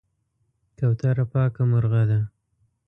کوتره پاکه مرغه ده.